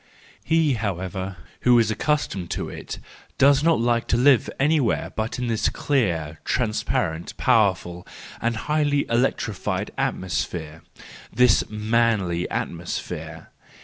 He, however, who is accustomed to it, does not like to live anywhere but in this clear, transparent, powerful, and highly electrified at¬ mosphere, this manly atmosphere.